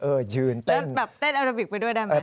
เออยืนเต้นแล้วแบบเต้นอัลบิกไปด้วยได้ไหม